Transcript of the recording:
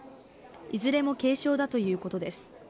いずれも軽傷だということです。